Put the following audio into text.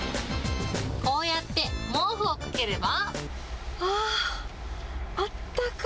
こうやって毛布をかければ。